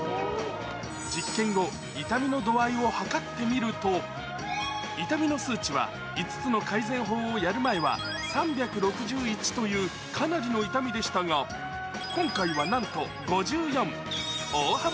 実験後、痛みの度合いを測ってみると、痛みの数値は、５つの改善法をやる前は３６１という、かなりの痛みでしたが、今回はなんと５４。